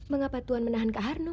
mengapa tuan menahan kak harno